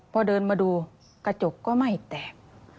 พอเดินมาดูกระจกก็ไม่แตก